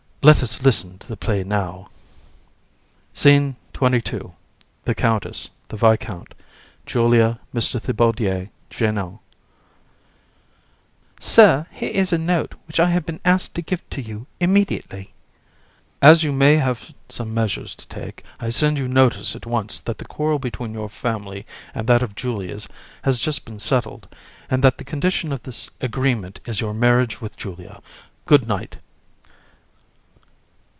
Let us listen to the play now. SCENE XXII. THE COUNTESS, THE VISCOUNT, JULIA, MR. THIBAUDIER, JEANNOT. JEAN. (to the VISCOUNT). Sir, here is a note which I have been asked to give to you immediately. VISC. (reads). "As you may have some measures to take, I send you notice at once that the quarrel between your family and that of Julia's has just been settled, and that the condition of this agreement is your marriage with Julia. Good night!"